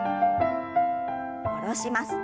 下ろします。